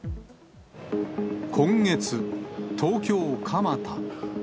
今月、東京・蒲田。